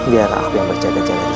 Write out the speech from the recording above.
biar aku yang berjaga jaga disini